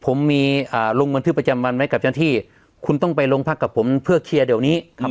ผมมีลงบันทึกประจำวันไว้กับเจ้าหน้าที่คุณต้องไปโรงพักกับผมเพื่อเคลียร์เดี๋ยวนี้ครับ